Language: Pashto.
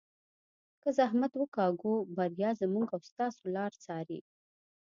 که زحمت وکاږو بریا زموږ او ستاسو لار څاري.